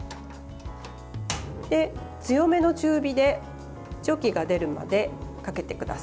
強めの中火で蒸気が出るまでかけてください。